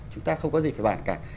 chúng ta không có gì phải bàn cả